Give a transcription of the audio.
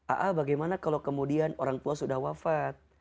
aa bagaimana kalau kemudian orang tua sudah wafat